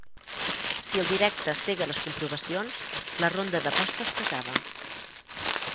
Si el directe cega les comprovacions, la ronda d'apostes s'acaba.